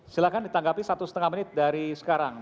silahkan ditanggapi satu setengah menit dari sekarang